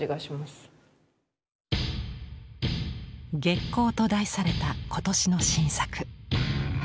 「月光」と題された今年の新作。